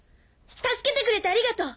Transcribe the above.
助けてくれてありがとう。